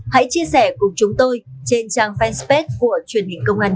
hãy chia sẻ cùng chúng tôi trên trang fanpage của truyền hình công an nhân dân